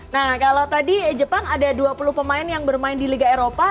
nah kalau tadi jepang ada dua puluh pemain yang bermain di liga eropa